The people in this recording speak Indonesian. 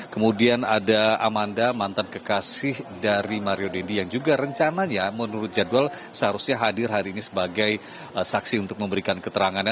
kemudian ada amanda mantan kekasih dari mario dendi yang juga rencananya menurut jadwal seharusnya hadir hari ini sebagai saksi untuk memberikan keterangannya